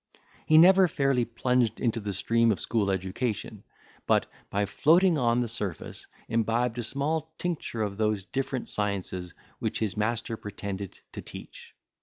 He never fairly plunged into the stream of school education, but, by floating on the surface, imbibed a small tincture of those different sciences which his master pretended to teach.